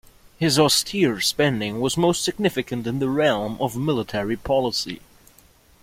His austere spending was most significant in the realm of military policy.